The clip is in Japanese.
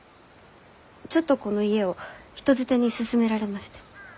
ちょっとこの家を人づてに勧められまして。